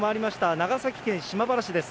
長崎県島原市です。